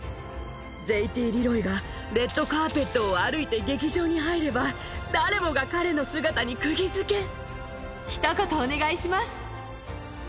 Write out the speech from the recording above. ＪＴリロイがレッドカーペットを歩いて劇場に入れば、誰もが彼のひと言お願いします。